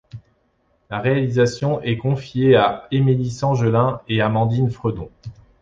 La réalisation est confiée à Émilie Sengelin et Amandine Fredon.